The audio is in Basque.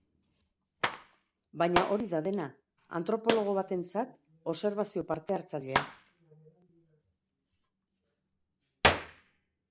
Baina hori dena da, antropologo batentzat, obserbazio parte-hartzailea.